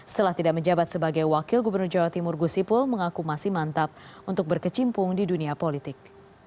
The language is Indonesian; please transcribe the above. setelah tidak menjabat sebagai wakil gubernur jawa timur gusipul mengaku masih mantap untuk berkecimpung di dunia politik